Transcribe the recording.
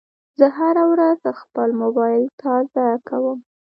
زه هره ورځ خپل موبایل تازه کوم.